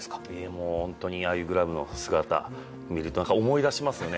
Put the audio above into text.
ああいうグラブの姿見ると思い出しますよね。